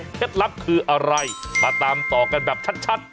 ลับคืออะไรมาตามต่อกันแบบชัด